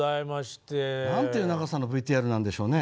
何ていう長さのＶＴＲなんでしょうね。